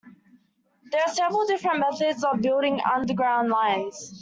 There are several different methods of building underground lines.